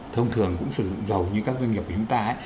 thông thường cũng sử dụng dầu như các doanh nghiệp của chúng ta